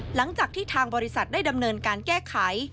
หลังจากที่ทางบริษัทได้ดำเนินการแก้ไข